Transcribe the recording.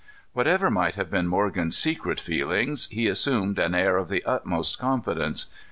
Whatever might have been Morgan's secret feeling, he assumed an air of the utmost confidence.